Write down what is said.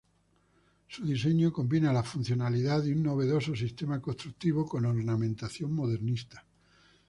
Su diseño combina la funcionalidad y un novedoso sistema constructivo con ornamentación modernista.